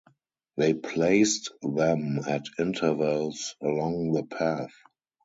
They placed them at intervals along the path.